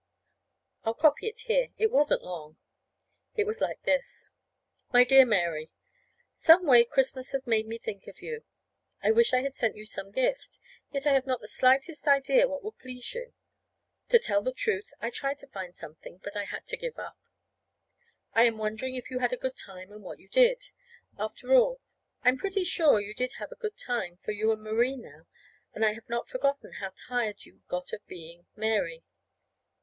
I'll copy it here. It wasn't long. It was like this: MY DEAR MARY: Some way Christmas has made me think of you. I wish I had sent you some gift. Yet I have not the slightest idea what would please you. To tell the truth, I tried to find something but had to give it up. I am wondering if you had a good time, and what you did. After all, I'm pretty sure you did have a good time, for you are Marie now. You see I have not forgotten how tired you got of being Mary.